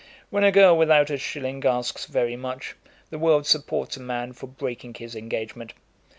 When a girl without a shilling asks very much, the world supports a man for breaking his engagement.